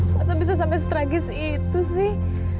masa bisa sampai stragis itu sih